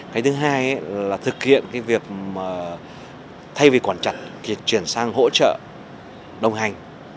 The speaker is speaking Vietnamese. cái thứ hai là thực hiện việc thay vì quản trật chuyển sang hỗ trợ đồng hành